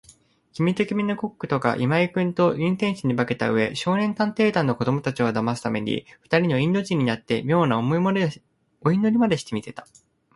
きみときみのコックとが、今井君と運転手に化けたうえ、少年探偵団の子どもたちをだますために、ふたりのインド人になって、みょうなお祈りまでして見せた。